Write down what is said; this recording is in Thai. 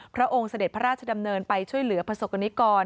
พระองค์เสด็จพระราชดำเนินไปช่วยเหลือประสบกรณิกร